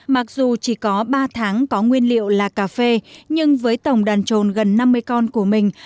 mặc dù chỉ có ba tháng có nguyên liệu là cà phê nhưng với tổng đàn trồn gần năm mươi con của mình